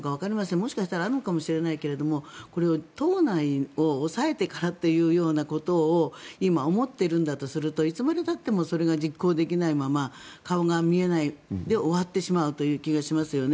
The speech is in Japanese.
もしかしたらあるのかもしれないけどこれを党内を抑えてからというようなことを今、思っているんだとするといつまでたってもそれが実行できないまま顔が見えないで終わってしまうという気がしますよね。